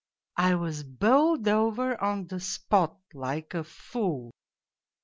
I was bowled over on the spot like a fool.